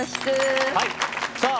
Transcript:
さあ